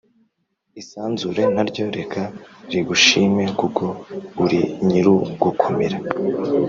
Isanzure naryo reka rigushime kuko urinyirugukomera